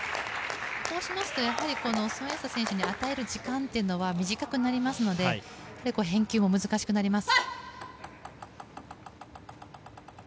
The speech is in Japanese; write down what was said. こうしますとやはりソン・エイサ選手に与える時間というのは短くなりますので返球も難しくなります。